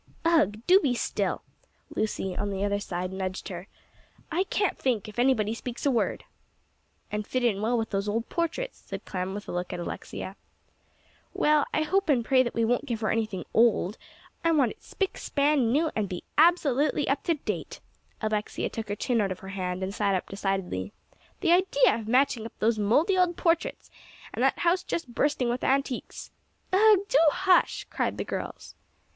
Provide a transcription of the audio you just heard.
"Ugh! do be still." Lucy, on the other side, nudged her. "I can't think, if anybody speaks a word." "And fit in well with those old portraits," said Clem, with a look at Alexia. "Well, I hope and pray that we won't give her anything old. I want it spick, span, new; and to be absolutely up to date." Alexia took her chin out of her hand, and sat up decidedly. "The idea of matching up those mouldy old portraits! and that house just bursting with antiques." "Ugh! do hush," cried the girls.